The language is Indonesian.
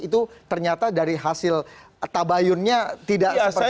itu ternyata dari hasil tabayunnya tidak seperti itu